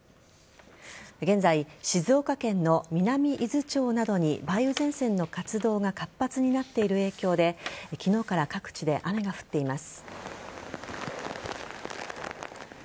現在、静岡県の南伊豆町などに梅雨前線の活動が活発になっている影響で昨日から各地で雨が降っています。